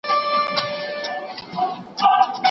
غرڅه لیري ځغلېدی تر ده د وړاندي